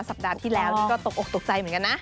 สัปดาห์ที่แล้วนี่ก็ตกอกตกใจเหมือนกันนะ